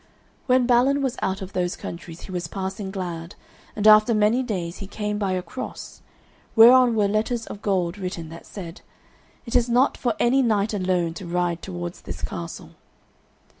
When Balin was out of those countries he was passing glad, and after many days he came by a cross, whereon were letters of gold written that said, "It is not for any knight alone to ride towards this castle."